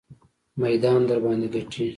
میدان درباندې ګټي.